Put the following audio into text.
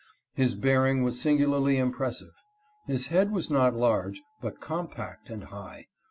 His bearing was singularly impressive. His head was not large, but compact and high.